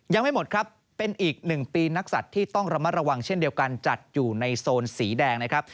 ยังไม่หมดครับเป็นอีกหนึ่งปีนักศัตริย์ที่ต้องระมัดระวังเช่นเดียวกันจัดอยู่ในโซนสีแดงนะครับ